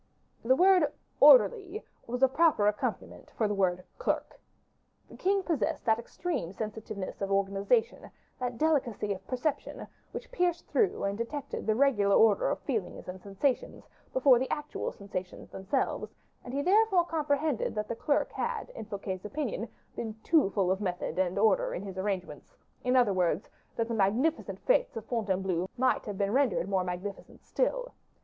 The word "orderly" was a proper accompaniment for the word "clerk." The king possessed that extreme sensitiveness of organization, that delicacy of perception, which pierced through and detected the regular order of feelings and sensations, before the actual sensations themselves, and he therefore comprehended that the clerk had, in Fouquet's opinion, been too full of method and order in his arrangements; in other words, that the magnificent fetes of Fontainebleau might have been rendered more magnificent still.